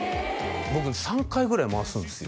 僕３回ぐらい回すんですよ